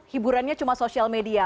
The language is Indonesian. hiburannya cuma sosial media